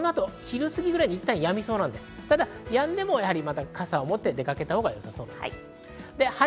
関東の雨はこの後、昼過ぎぐらいにいったんはやみそうですが、やんでも傘を持って出かけたほうがよさそうです。